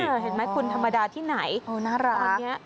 เห็นไหมคุณธรรมดาที่ไหนน่ารัก